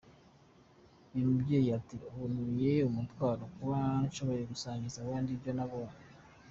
Uyu mubyeyi ati ubu ntuye umutwaro, kuba nshoboye gusangiza abandi ibyo nabonye.